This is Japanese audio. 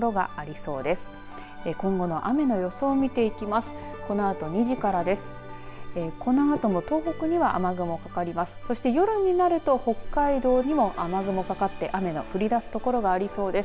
そして、夜になると北海道にも雨雲かかって、雨の降り出す所がありそうです。